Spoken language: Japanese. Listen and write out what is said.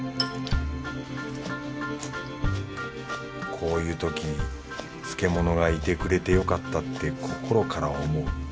こういうとき漬け物がいてくれてよかったって心から思う。